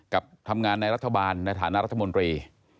กับทำงานในรัฐบาลในฐานะรัฐมนตรี